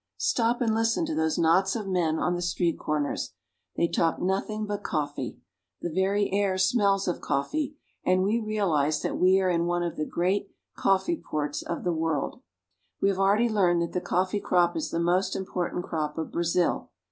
Stop and listen to those knots of men on the street corners. They talk nothing but coffee. The very air smells of coffee, and we realize that we are in one of the great coffee ports of the world. "They talk nothing but coffee." We have already learned that the coffee crop is the most important crop of Brazil.